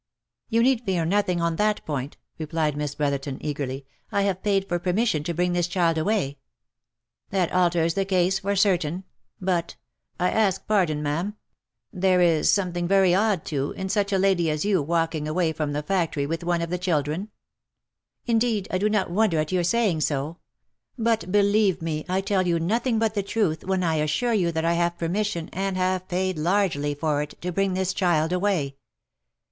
" You need fear nothing on that point," replied Miss Brotherton, eagerly, " I have paid for permission to bring this child away." " That alters the case for certain. But — I ask your pardon, ma'am, 270 THE LIFE AND ADVENTURES —there is something very odd too, in such a lady as you walking away from the factory with one of the children." " Indeed I do not wonder at your saying so. But believe me, I tell you nothing but the truth when I assure you that I have permis sion, and have paid largely for it, to bring this child away.